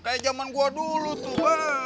kayak zaman gue dulu tuh